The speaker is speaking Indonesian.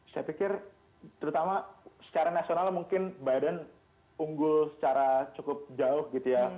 saya pikir terutama secara nasional mungkin biden unggul secara cukup jauh gitu ya